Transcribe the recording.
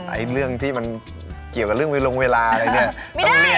ไอ้เรื่องที่มันเกี่ยวกับเรื่องเวลาลงเวลาอะไรเนี่ย